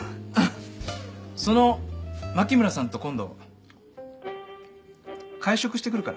その牧村さんと今度会食してくるから。